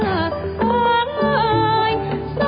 สุนประทัย